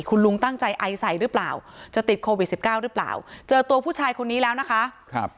คุณลุงตั้งใจไอใส่หรือเปล่าจะติดโควิดสิบเก้าหรือเปล่าเจอตัวผู้ชายคนนี้แล้วนะคะครับ